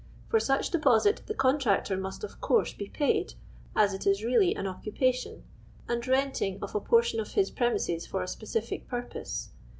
For Mich (lepitsit the contractor must of curse \w { aid, as it is really im occnpat.o i and renting ot a portion of his premises for :i Kppcit'ic purpose.